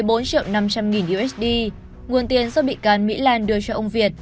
bốn triệu năm trăm linh nghìn usd nguồn tiền do bị can mỹ lan đưa cho ông việt